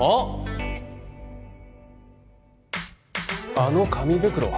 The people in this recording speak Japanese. あの紙袋は？